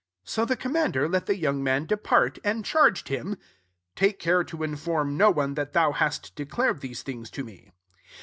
££ So the commander let, the young man depart, and charged lUmf << Take care to inform no one that thou hast declared these things to me."